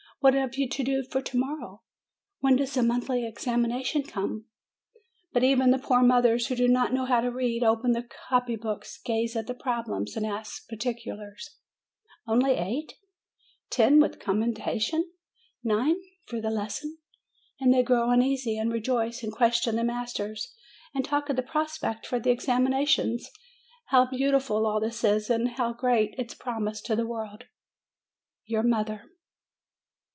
What have you to do for to morrow ? When does the monthly examination come?" Then even the poor mothers who do not know how to read, open the copy books, gaze at the problems, and ask particulars : "Only eight ? Ten with commendation ? Nine for the lesson?" And they grow uneasy, and rejoice, and question the masters, and talk of the prospect for the examinations. How beautiful all this is, and how great its promise to the world! YOUR MOTHER.